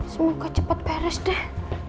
semoga cepet beres deh